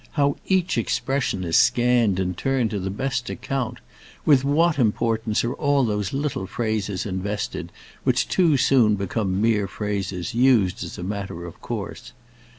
How each expression is scanned and turned to the best account! With what importance are all those little phrases invested, which too soon become mere phrases, used as a matter of course.